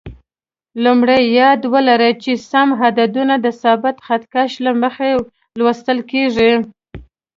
لومړی: یاد ولرئ چې سم عددونه د ثابت خط کش له مخې لوستل کېږي.